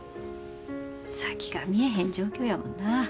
先が見えへん状況やもんな。